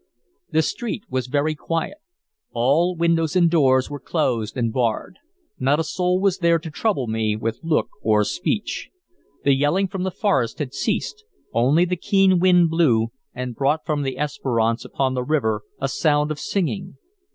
The street was very quiet. All windows and doors were closed and barred; not a soul was there to trouble me with look or speech. The yelling from the forest had ceased; only the keen wind blew, and brought from the Esperance upon the river a sound of singing.